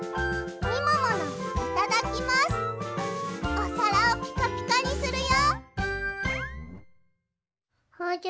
おさらをピカピカにするよ！